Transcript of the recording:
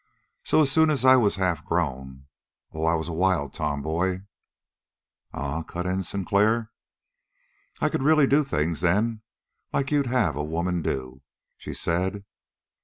So as soon as I was half grown oh, I was a wild tomboy!" "Eh?" cut in Sinclair. "I could really do the things then that you'd like to have a woman do," she said.